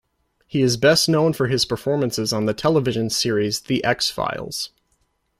He is best known for his performances on the television series "The X-Files".